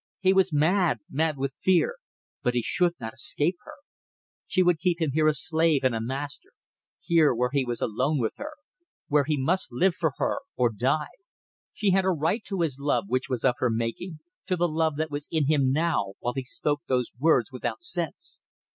He was mad mad with fear; but he should not escape her! She would keep him here a slave and a master; here where he was alone with her; where he must live for her or die. She had a right to his love which was of her making, to the love that was in him now, while he spoke those words without sense.